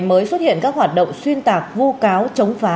mới xuất hiện các hoạt động xuyên tạc vu cáo chống phá